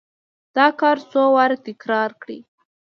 دا کار څو واره تکرار کړئ.